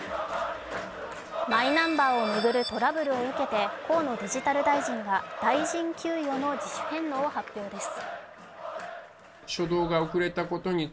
マイナンバーを巡るトラブルを受けて河野デジタル大臣が大臣給与の自主返納を発表です。